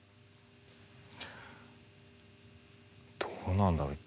どうなんだろう。